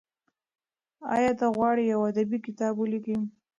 ایا ته غواړې یو ادبي کتاب ولیکې؟